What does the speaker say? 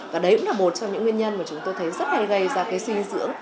và đấy cũng là một trong những nguyên nhân mà chúng tôi thấy rất hay gây ra cái suy dưỡng